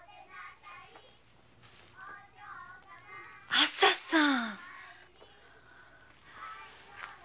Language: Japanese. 朝さん。